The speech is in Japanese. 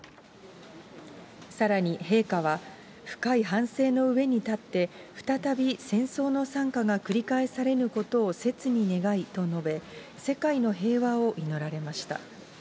さらに陛下は、深い反省の上に立って、再び戦争の惨禍が繰り返されぬことをせつに願いと述べ、世界の平和を祈られました。